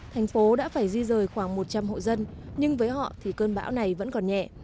thành phố đã phải di rời khoảng một trăm linh hộ dân nhưng với họ thì cơn bão này vẫn còn nhẹ